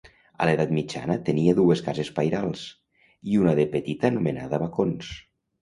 A l'Edat Mitjana tenia dues cases pairals, i una de petita anomenada Bacons.